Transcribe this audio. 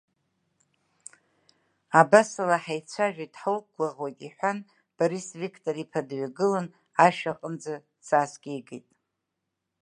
Абасала ҳаицәажәеит, ҳуқәгәыӷуеит иҳәан Борис Виктор-иԥа дҩагылан ашә аҟынӡа сааскьеигеит.